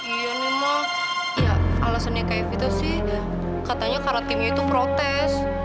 iya nih ma ya alasannya kayak evita sih katanya karena timnya itu protes